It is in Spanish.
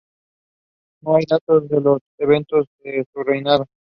No hay datos de los eventos de su reinado.